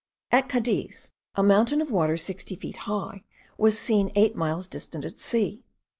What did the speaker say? At Cadiz a mountain of water sixty feet high was seen eight miles distant at sea.